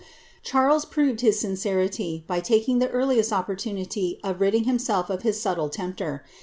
Charles proved his sincerity, by taking the earliest opportimitT of ridding himself of his subtle tempter.